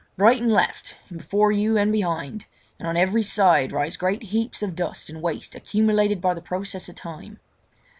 Right and left, before and behind, on every side rise great heaps of dust and waste accumulated by the process of time.